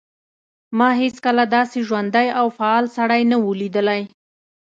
ما هیڅکله داسې ژوندی او فعال سړی نه و لیدلی